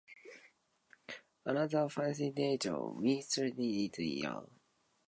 Another fascinating mystery is the origins of the universe itself.